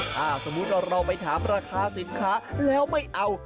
ถ้าสมมุติว่าเราไปถามราคาสินค้าแล้วไม่เอา